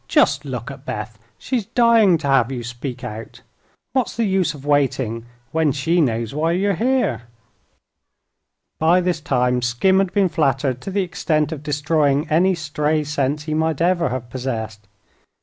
"Just look at Beth! She's dying to have you speak out. What's the use of waiting, when she knows why you are here?" By this time Skim had been flattered to the extent of destroying any stray sense he might ever have possessed.